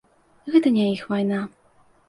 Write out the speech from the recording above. Гэта не іх вайна.